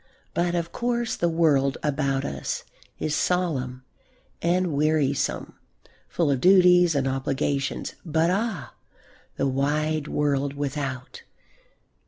But of course the world about us is solemn and wearisome, full of duties and obligations. But ah, the wide world without!